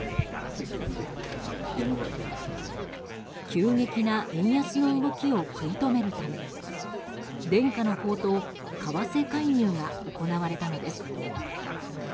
急激な円安の動きを食い止めるため伝家の宝刀為替介入が行われたのです。